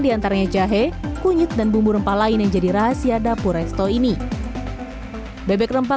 diantaranya jahe kunyit dan bumbu rempah lain yang jadi rahasia dapur resto ini bebek rempah